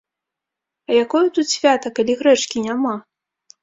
А якое тут свята, калі грэчкі няма?